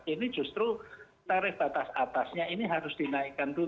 ini justru tarif batas atasnya ini harus dinaikkan dulu